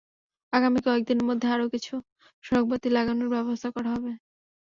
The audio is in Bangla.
আগামী কয়েক দিনের মধ্যে আরও কিছু সড়কবাতি লাগানোর ব্যবস্থা করা হবে।